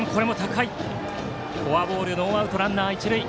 フォアボールノーアウトランナー、一塁。